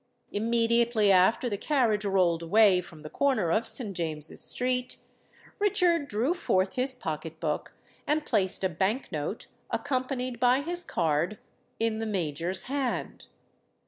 Immediately after the carriage rolled away from the corner of St. James's Street, Richard drew forth his pocket book, and placed a bank note, accompanied by his card, in the Major's hand.